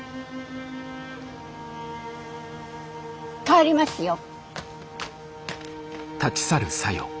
帰りますよ。